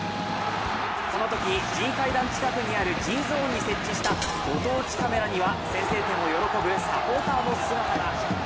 このとき、Ｇ階段近くにあるＧゾーンに設置したご当地ＣＡＭには先制点を喜ぶサポーターの姿が。